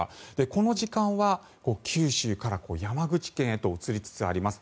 この時間は九州から山口県へと移りつつあります。